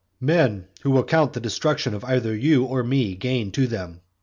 XIX. "Men who will count the destruction of either you or me gain to them.